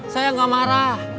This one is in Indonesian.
saya gak marah